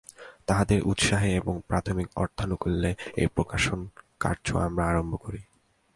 তাঁহাদের উৎসাহে ও প্রাথমিক অর্থানুকূল্যে এই প্রকাশন-কার্য আমরা আরম্ভ করি।